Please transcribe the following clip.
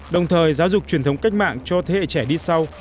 đồng thời giáo dục truyền thống cách mạng cho thế hệ trẻ đi sau